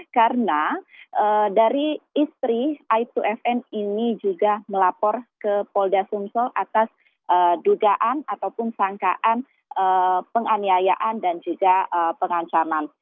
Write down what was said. karena dari istri aib dua fn ini juga melapor ke polda sumsel atas dugaan ataupun sangkaan penganiayaan dan juga pengancaman